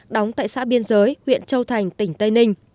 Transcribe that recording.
đóng tại xã biên giới huyện châu thành tỉnh tây ninh